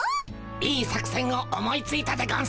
いい作せんを思いついたでゴンス。